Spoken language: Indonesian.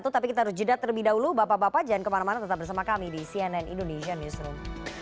tapi kita harus jeda terlebih dahulu bapak bapak jangan kemana mana tetap bersama kami di cnn indonesian newsroom